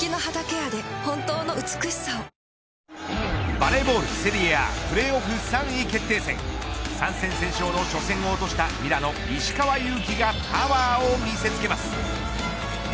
バレーボール、セリエＡプレーオフ３位決定戦３戦先勝の初戦を落としたミラノ石川祐希がパワーを見せつけます。